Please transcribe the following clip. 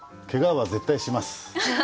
けがは絶対します。